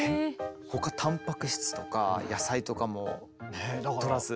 他たんぱく質とか野菜とかもとらず。